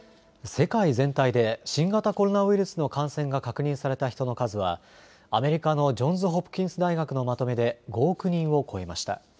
世界全体で新型コロナウイルスの感染が確認された人の数はアメリカのジョンズ・ホプキンス大学のまとめで５億人を超えました。